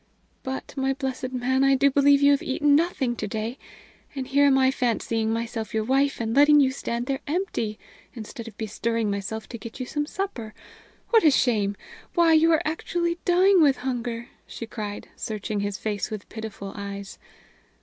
But, my blessed man, I do believe you have eaten nothing to day; and here am I fancying myself your wife, and letting you stand there empty, instead of bestirring myself to get you some supper! What a shame! Why, you are actually dying with hunger!" she cried, searching his face with pitiful eyes.